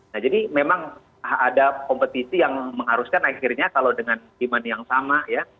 nah jadi memang ada kompetisi yang mengharuskan akhirnya kalau dengan demand yang sama ya